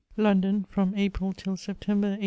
London, from April tiU September, 1822.